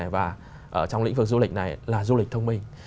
và trong lĩnh vực du lịch này là du lịch thông minh